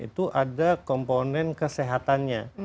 itu ada komponen kesehatannya